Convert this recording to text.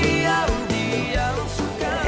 dia yang suka